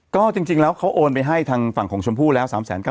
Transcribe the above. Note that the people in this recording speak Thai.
ก็จริงแล้วเขาโอนไปให้ทางฝั่งของชมพู่แล้ว๓๙๐